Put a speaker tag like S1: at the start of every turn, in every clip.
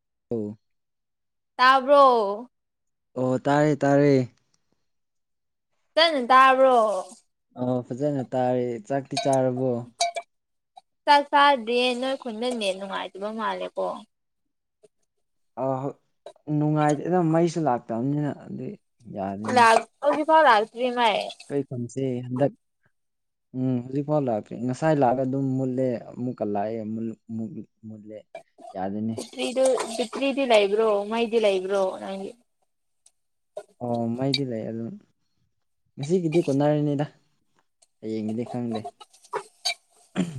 S1: [unintelligible]
S2: ꯇꯥꯕ꯭ꯔꯣ꯫
S1: ꯑꯣ ꯇꯥꯔꯦ ꯇꯥꯔꯦ꯫
S2: ꯀꯟꯅ ꯇꯥꯕ꯭ꯔꯣ꯫
S1: ꯑ ꯐꯖꯅ ꯇꯥꯔꯦ ꯆꯥꯛꯇꯤ ꯆꯥꯔꯕꯣꯪ
S2: ꯆꯥꯛ ꯆꯥꯗꯦ ꯅꯣꯏ ꯈꯨꯟꯗ ꯅꯦꯠ ꯅꯨꯡꯉꯥꯏꯇꯕ ꯃꯥꯜꯂꯦꯀꯣ꯫
S1: ꯑ ꯅꯨꯡꯉꯥꯏꯇꯦꯗ ꯃꯩꯁꯨ ꯂꯥꯛꯇꯕꯃꯤꯅ ꯑꯗꯨꯏ ꯌꯥꯗꯦꯅꯦ
S2: [unintelligible]
S1: ꯑꯩꯈꯣꯏ ꯈꯨꯟꯁꯦ ꯍꯟꯗꯛ ꯎꯝ ꯍꯧꯖꯤꯛꯐꯥꯎ ꯂꯥꯛꯇ꯭ꯔꯤ ꯉꯁꯥꯏ ꯂꯥꯛꯑꯒ ꯑꯗꯨꯝ ꯃꯨꯠꯂꯦ ꯑꯃꯨꯛꯀ ꯂꯥꯛꯑꯦ [unintelligible] ꯃꯨꯠꯂꯦ ꯌꯥꯗꯦꯅꯦ꯫
S2: ꯀ꯭ꯔꯤꯗꯤ ꯂꯩꯕ꯭ꯔꯣ ꯃꯩꯗꯤ ꯂꯩꯕ꯭ꯔꯣ ꯅꯪꯒꯤ꯫
S1: ꯑꯣ ꯃꯩꯗꯤ ꯂꯩ ꯑꯗꯨꯝ ꯉꯁꯤꯒꯤꯗꯤ ꯀꯣꯟꯅꯔꯅꯤꯗ꯫ ꯍꯌꯦꯡꯒꯤꯗꯤ ꯈꯪꯗꯦ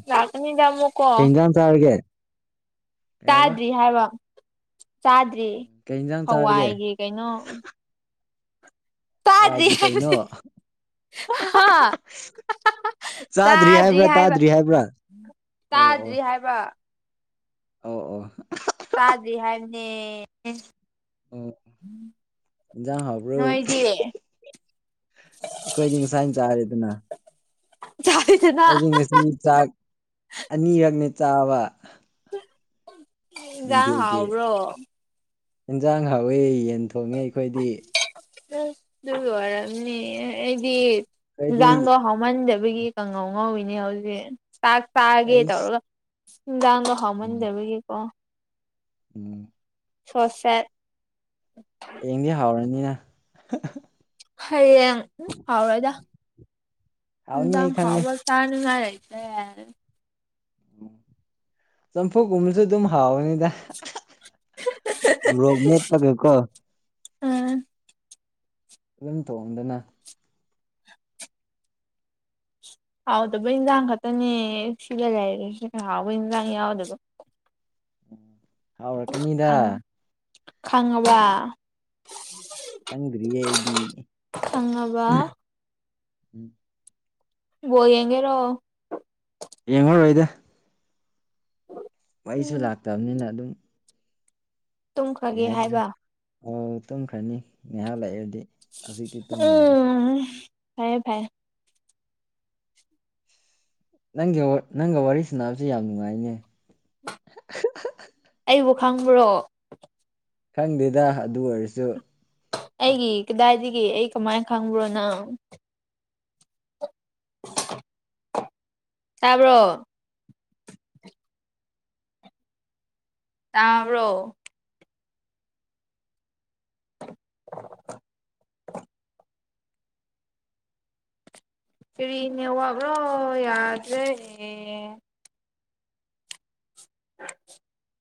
S2: ꯂꯥꯛꯀꯅꯤꯗ ꯑꯃꯨꯛꯀꯣ
S1: ꯀꯩ ꯢꯟꯖꯥꯟ ꯆꯥꯔꯒꯦ꯫
S2: ꯆꯥꯗ꯭ꯔꯤ ꯍꯥꯏꯕ ꯆꯥꯗ
S1: ꯀꯩ ꯏꯟꯖꯥꯡ
S2: [unintelligible]
S1: ꯆꯥꯔꯒꯦ
S2: ꯍꯋꯥꯏꯒꯤ ꯀꯩꯅꯣ꯫ ꯆꯥꯗ꯭ꯔꯤ
S1: ꯍꯋꯥꯏꯒꯤ ꯀꯩꯅꯣ꯫
S2: ꯍꯥꯏꯕꯅꯦ ꯍꯥ [unintelligible] ꯆꯥꯗ꯭ꯔꯤ
S1: ꯍꯥꯏꯕ꯭ꯔꯥ
S2: ꯍꯥꯏꯕ꯫
S1: ꯇꯥꯗ꯭ꯔꯤ ꯍꯥꯏꯕ꯭ꯔꯥ
S2: ꯆꯥꯗ꯭ꯔꯤ ꯍꯥꯏꯕ꯫
S1: ꯑꯥꯎ ꯑꯣ꯫
S2: ꯆꯥꯗ꯭ꯔꯤ ꯍꯥꯏꯕꯅꯦ꯫
S1: ꯑꯣ ꯏꯟꯖꯥꯡ ꯍꯥꯎꯕ꯭ꯔꯣ
S2: ꯅꯣꯏꯗꯤ꯫
S1: ꯑꯩꯈꯣꯏꯗꯤ ꯉꯁꯥꯏꯅ ꯆꯥꯔꯦꯗꯅ꯫
S2: ꯆꯥꯔꯦꯗꯅ
S1: ꯑꯩꯗꯤ ꯉꯁꯤ ꯆꯥꯛ ꯑꯅꯤꯔꯛꯅꯦ ꯆꯥꯕ
S2: ꯉ ꯍꯥꯎꯕ꯭ꯔꯣ
S1: ꯌꯦꯟꯁꯥꯡ ꯍ ꯍꯧꯋꯤ ꯌꯦꯟ ꯊꯣꯡꯉꯦ ꯑꯩꯈꯣꯏꯗꯤ
S2: ꯔꯝꯅꯤ ꯑꯩꯗꯤ
S1: ꯑꯩꯈꯣꯏꯗꯤ
S2: ꯂꯗ ꯍꯃꯟꯗꯕ ꯍꯥꯏꯕꯒꯤ ꯀꯥꯡꯉꯧ ꯉꯧꯤꯅꯦ ꯍꯧꯖꯤꯖꯤꯛ ꯆꯥꯛ ꯆꯥꯒꯦ
S1: ꯑꯩꯁ
S2: ꯇꯧꯔꯒ ꯉꯥꯡꯒ
S1: ꯎꯝ
S2: ꯍꯃꯟꯗꯒꯀꯣ
S1: ꯎꯝ
S2: ꯁꯣꯁꯦ
S1: ꯍꯌꯦꯡꯗꯤ ꯍꯥꯎꯔꯅꯤꯅ
S2: ꯍꯌꯦꯡ ꯎꯝ ꯍꯥꯎꯔꯗ
S1: ꯍꯥꯎꯅꯤ ꯑꯩ
S2: ꯗꯥꯪ
S1: ꯈꯪꯉꯦ
S2: ꯍꯥꯎꯕ ꯇꯥꯅꯉꯥꯏꯔꯒꯦ ꯔ
S1: ꯆꯝꯐꯨꯒꯨꯝꯕꯁꯨ ꯑꯗꯨꯝ ꯍꯥꯎꯋꯅꯤꯗ ꯔꯣꯒ ꯃ ꯇꯒꯦꯀꯣ
S2: ꯎꯝ
S1: ꯑꯗꯨꯝ ꯇꯣꯡꯗꯅ
S2: ꯍꯥꯎꯗꯕ ꯏꯟꯁꯥꯡ ꯈꯛꯇꯅꯦ ꯁꯤꯗ ꯂꯩꯔꯦ ꯍꯥꯎꯕ ꯏꯟꯁꯥꯡ ꯌꯥꯎꯗꯕ
S1: ꯍꯥꯎꯔꯛꯀꯅꯤꯗ
S2: ꯈꯪꯕ
S1: ꯈꯪꯗ꯭ꯔꯤꯌꯦ ꯑꯩꯗꯤ
S2: ꯈꯪꯉꯕ
S1: ꯎꯝ
S2: ꯌꯦꯡꯒꯦꯔꯣ
S1: ꯌꯦꯡꯉꯔꯣꯏꯗ ꯃꯩꯁꯨ
S2: ꯎꯝ
S1: ꯂꯥꯛꯇꯕꯅꯤꯅ ꯑꯗꯨꯝ ꯀꯩ
S2: ꯇꯨꯝꯈ꯭ꯔꯒꯦ
S1: ꯍꯥꯏꯁꯤꯔꯥ
S2: ꯍꯥꯏꯕ
S1: ꯑꯣ ꯇꯨꯝꯈꯅꯤ ꯉꯥꯏꯍꯥꯛ ꯂꯩꯔꯗꯤ ꯍꯧꯖꯤꯛꯇꯤ ꯇꯨꯝꯃꯣꯏꯗ
S2: ꯎꯝ ꯐꯥꯏꯌꯦ ꯐꯥꯏ
S1: ꯅꯪꯒꯤ ꯅꯪꯒ ꯋꯥꯔꯤ ꯁꯥꯟꯅꯕꯁꯦ ꯌꯥꯝ ꯅꯨꯡꯉꯥꯏꯅꯦ
S2: ꯑꯩꯕꯨ ꯈꯪꯕ꯭ꯔꯣ
S1: ꯈꯪꯗꯦꯗ ꯑꯗꯨ ꯑꯣꯏꯔꯁꯨ
S2: ꯑꯩꯒꯤ ꯀꯗꯥꯏꯗꯒꯤ ꯑꯩ ꯀꯃꯥꯏꯅ ꯈꯪꯕ꯭ꯔꯣꯅꯣ ꯇꯥꯕ꯭ꯔꯣ ꯇꯥꯕꯔꯣ [inaudible] ꯀꯔꯤꯅꯦ ꯋꯥꯕ꯭ꯔꯣ ꯌꯥꯗ ꯂꯩꯦ [inaudible]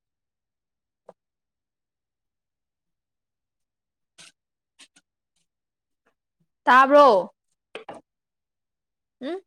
S2: ꯇꯥꯕ꯭ꯔꯣ ꯎꯝ